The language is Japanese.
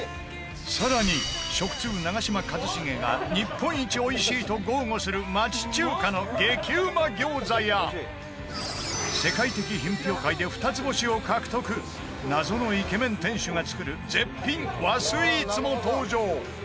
更に、食通、長嶋一茂が日本一おいしいと豪語する町中華の激うま餃子や世界的品評会で２ツ星を獲得謎のイケメン店主が作る絶品和スイーツも登場